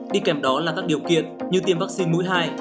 đi kèm đó là các điều kiện như tiêm vaccine mũi hai